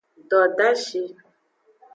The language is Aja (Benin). Dodashi.